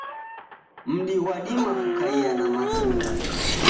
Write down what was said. Mdi ghwadima kukaia na matunda.